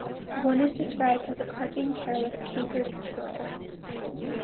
One is described as a carping careless cankerd churle.